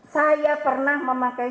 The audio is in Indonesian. saya pernah memakai